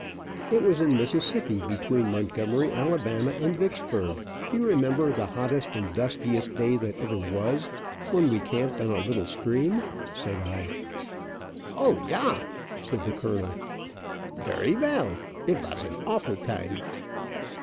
"It was in Mississippi, between Montgomery, Ala., and Vicksburg. Do you remember the hottest and dustiest day that ever was, when we camped on a little stream?" said I. "O, yah!" said the colonel; "very well. It vas an awful time."